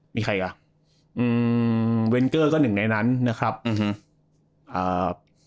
มีใครอ่ะอืมเวนเกอร์ก็หนึ่งในนั้นนะครับอืมอ่า